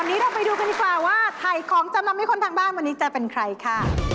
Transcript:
วันนี้เราไปดูกันดีกว่าว่าถ่ายของจำนำให้คนทางบ้านวันนี้จะเป็นใครค่ะ